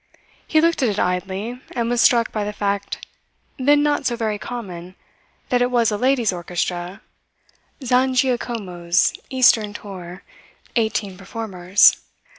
He looked at it idly and was struck by the fact then not so very common that it was a ladies' orchestra; "Zangiacomo's eastern tour eighteen performers."